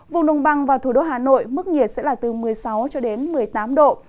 vùng đồng bằng và thủ đô hà nội mức nhiệt sẽ là từ một mươi sáu cho đến một mươi tám độ